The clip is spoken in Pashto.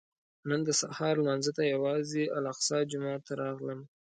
نن د سهار لمانځه ته یوازې الاقصی جومات ته راغلم.